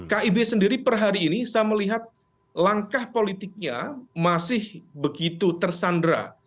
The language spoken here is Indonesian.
kib sendiri per hari ini saya melihat langkah politiknya masih begitu tersandera